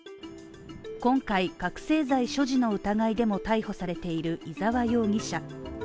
今回、覚醒剤所持の疑いでも逮捕されている伊沢容疑者。